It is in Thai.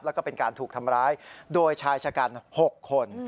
แล้วก็เป็นการถูกทำร้ายโดยชายชะกัน๖คน